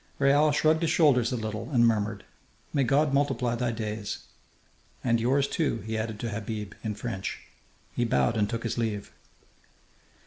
Raoul shrugged his shoulders a little and murmured: "May God multiply thy days!... And yours, too," he added to Habib in French. He bowed and took his leave.